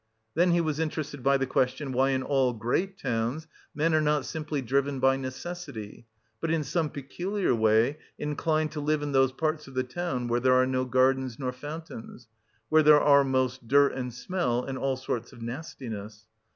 Then he was interested by the question why in all great towns men are not simply driven by necessity, but in some peculiar way inclined to live in those parts of the town where there are no gardens nor fountains; where there is most dirt and smell and all sorts of nastiness.